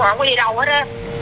không có đi đâu hết á